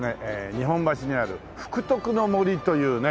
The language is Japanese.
日本橋にある福徳の森というね